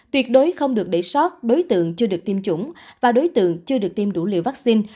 tuyệt đối không được để sót đối tượng chưa được tiêm chủng và đối tượng chưa được tiêm đủ liều vaccine